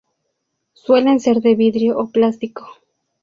Suelen ser de vidrio o plástico.